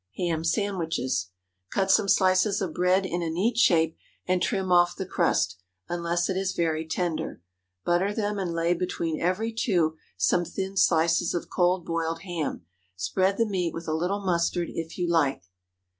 HAM SANDWICHES. Cut some slices of bread in a neat shape, and trim off the crust, unless it is very tender. Butter them and lay between every two some thin slices of cold boiled ham. Spread the meat with a little mustard if you like.